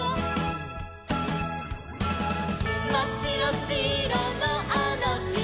「まっしろしろのあのしまに」